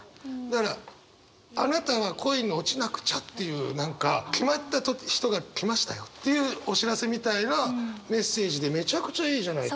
だからあなたは恋に落ちなくちゃっていう何か決まった人が来ましたよっていうお知らせみたいなメッセージでめちゃくちゃいいじゃない。